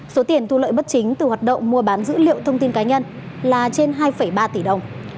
số tiền thu lợi bất chính từ hoạt động mua bán dữ liệu thông tin cá nhân là trên hai ba tỷ đồng